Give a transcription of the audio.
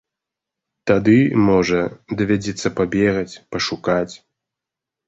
Тады, можа, давядзецца пабегаць, пашукаць.